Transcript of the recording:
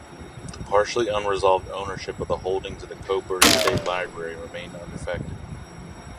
The partially unresolved ownership of the holdings of the Coburg State Library remained unaffected.